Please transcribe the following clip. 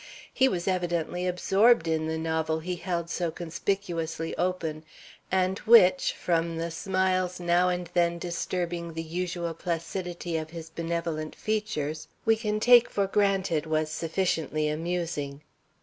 He was evidently absorbed in the novel he held so conspicuously open, and which, from the smiles now and then disturbing the usual placidity of his benevolent features, we can take for granted was sufficiently amusing.